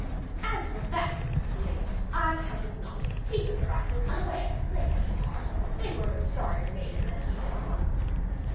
'As for that,' said the lady, 'I count it naught. He took the rascals unawares, and they had no heart. They were but sorrier knaves than he is.'